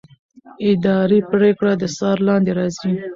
اداري پرېکړه د څار لاندې راځي.